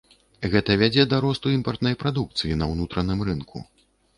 Гэта вядзе да росту імпартнай прадукцыі на ўнутраным рынку.